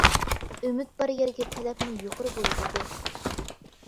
ئۈمىد بار يەرگە تەلەپمۇ يۇقىرى بولىدىغۇ!